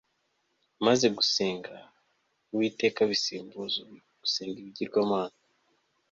maze gusenga uwiteka abisimbuza gusenga ibigirwamana